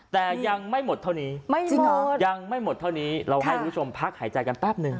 แต่ยังไม่หมดเท่านี้ยังไม่หมดเท่านี้เราให้คุณผู้ชมพักหายใจกันแป๊บหนึ่ง